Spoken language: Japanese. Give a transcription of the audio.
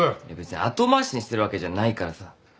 いや別に後回しにしてるわけじゃないからさ。